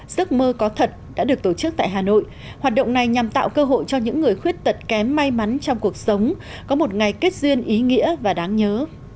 giấc mơ có thật đã được tổ chức tại hà nội hoạt động này nhằm tạo cơ hội cho những người khuyết tật kém may mắn trong cuộc sống có một ngày kết duyên ý nghĩa và đáng nhớ